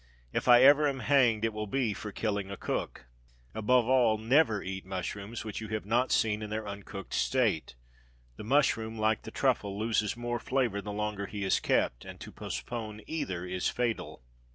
If ever I am hanged, it will be for killing a cook. Above all never eat mushrooms which you have not seen in their uncooked state. The mushroom, like the truffle, loses more flavour the longer he is kept; and to "postpone" either is fatal.